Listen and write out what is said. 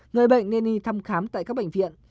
người bệnh nên đi thăm khám tại các bệnh viện